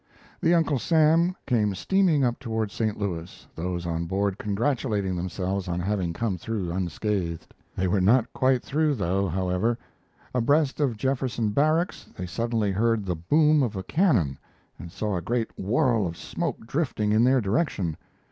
The Uncle Sam came steaming up toward St. Louis, those on board congratulating themselves on having come through unscathed. They were not quite through, however. Abreast of Jefferson Barracks they suddenly heard the boom of a cannon and saw a great whorl of smoke drifting in their direction.